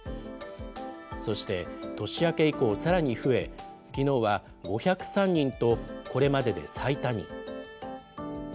そして年明け以降、さらに増え、きのうは５０３人と、これまでで最多に。